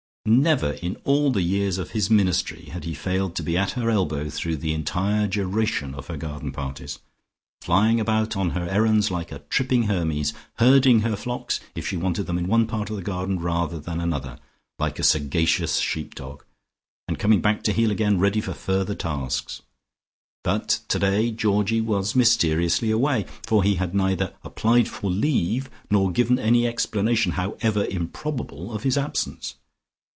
Never in all the years of his ministry had he failed to be at her elbow through the entire duration of her garden parties, flying about on her errands like a tripping Hermes, herding her flocks if she wanted them in one part of the garden rather than another, like a sagacious sheep dog, and coming back to heel again ready for further tasks. But today Georgie was mysteriously away, for he had neither applied for leave nor given any explanation, however improbable, of his absence.